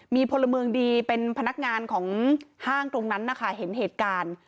มีพลเมืองดีเป็นพนักงานของห้างตรงนั้นนะคะเห็นเหตุการณ์